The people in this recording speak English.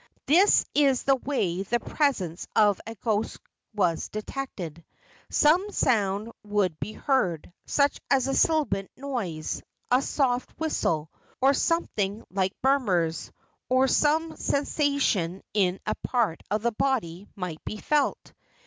This is the way the presence of a ghost was detected: Some sound would be heard, such as a sibilant noise, a soft whistle, or something like murmurs, or some sensation in a part of the body might be felt.